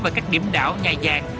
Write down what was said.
về các điểm đảo nhà dạng